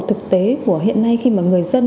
thực tế của hiện nay khi mà người dân